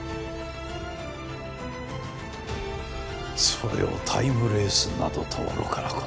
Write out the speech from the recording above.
それをタイムレースなどとおろかな事を。